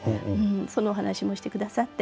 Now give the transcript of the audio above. そのお話もしてくださって。